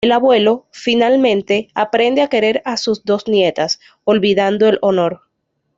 El abuelo, finalmente, aprende a querer a sus dos nietas, olvidando el honor.